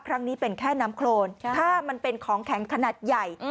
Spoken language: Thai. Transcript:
ครั้งนี้เป็นแค่น้ำโครนถ้ามันเป็นของแข็งขนาดใหญ่